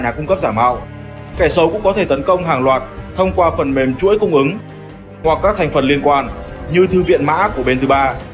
nhà cung cấp giả mạo kẻ xấu cũng có thể tấn công hàng loạt thông qua phần mềm chuỗi cung ứng hoặc các thành phần liên quan như thư viện mã của bên thứ ba